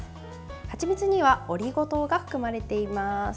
はちみつにはオリゴ糖が含まれています。